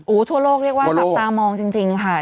ทั่วโลกเรียกว่าจับตามองจริงค่ะ